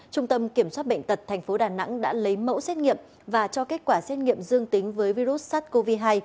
trung tâm kiểm soát bệnh tật tp đà nẵng đã lấy mẫu xét nghiệm và cho kết quả xét nghiệm dương tính với virus sars cov hai